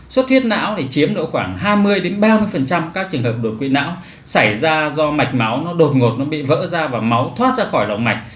suốt huyết não thì chiếm độ khoảng hai mươi ba mươi các trường hợp đột quỵ não xảy ra do mạch máu nó đột ngột nó bị vỡ ra và máu thoát ra khỏi động mạch